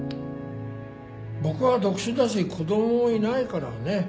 僕は独身だし子供いないからね。